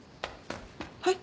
はい。